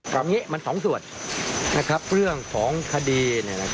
อย่างนี้มัน๒ส่วนเรื่องของคดี